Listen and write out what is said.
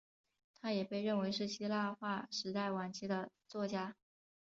他也被认为是希腊化时代晚期的着作家。